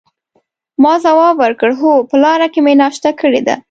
ما ځواب ورکړ: هو، په لاره کې مې ناشته کړې ده.